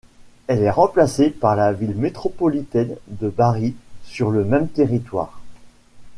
Elle est remplacée par la ville métropolitaine de Bari sur le même territoire.